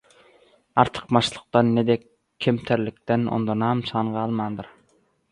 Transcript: artykmaçlykdan, ne-de kemterlikden onda nam-nyşan galmandyr.